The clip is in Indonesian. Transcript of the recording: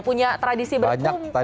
punya tradisi berkumpul gitu kan